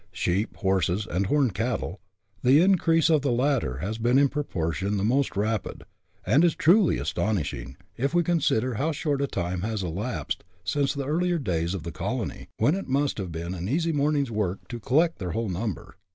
sheep, horses, and horned cattle, the increase of the latter has been in proportion the most rapid, and is truly astonishing if we consider how short a time has elapsed since the earlier days of the colony, when it must have been an easy morning's work to collect their whole number.